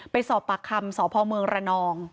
ไปสอบประคำสพรน